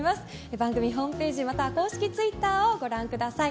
番組ホームページ、または公式ツイッターをご覧ください。